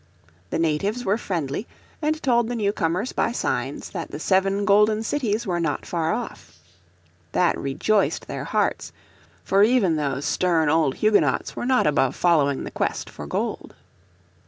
The natives were friendly and told the newcomers by signs that the seven golden cities were not far off. That rejoiced their hearts, for even those stern old Huguenots were not above following the quest for gold.